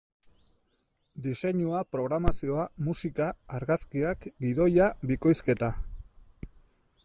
Diseinua, programazioa, musika, argazkiak, gidoia, bikoizketa...